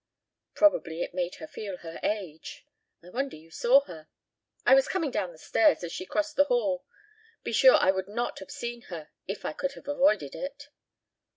"Probably it made her feel her age. I wonder you saw her." "I was coming down the stairs as she crossed the hall. Be sure I would not have seen her if I could have avoided it."